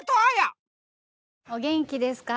お元気ですか？